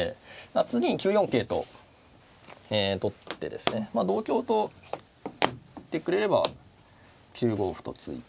次に９四桂と取ってですね同香と取ってくれれば９五歩と突いて。